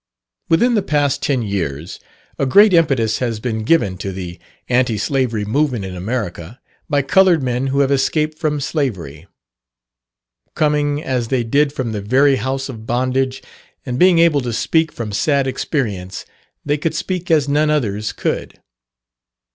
Within the past ten years, a great impetus has been given to the anti slavery movement in America by coloured men who have escaped from slavery. Coming as they did from the very house of bondage, and being able to speak from sad experience, they could speak as none others could.